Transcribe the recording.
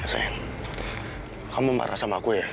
sayang kamu marah sama aku ya